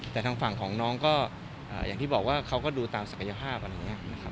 แต่ทางฝั่งของน้องก็อย่างที่บอกว่าเขาก็ดูตามศักยภาพอะไรอย่างนี้นะครับ